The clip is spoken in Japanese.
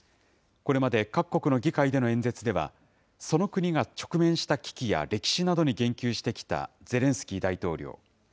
これまで各国の議会での演説では、その国が直面した危機や歴史などに言及してきた、ゼレンスキー大統領。